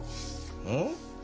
うん？